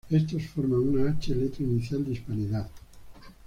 Estos forman una "H", letra inicial de Hispanidad.